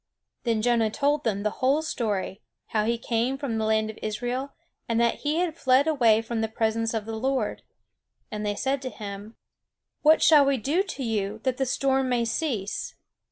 Then Jonah told them the whole story, how he came from the land of Israel, and that he had fled away from the presence of the Lord. And they said to him: "What shall we do to you, that the storm may cease?"